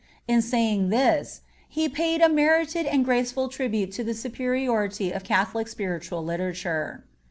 In saying this, he paid a merited and graceful tribute to the superiority of Catholic spiritual literature.